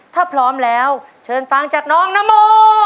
ถ้าพร้อมแล้วเชิญฟังจากน้องนโม